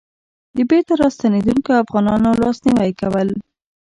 د بېرته راستنېدونکو افغانانو لاسنيوی کول.